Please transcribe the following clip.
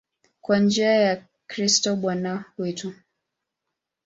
Kwa njia ya Kristo Bwana wetu.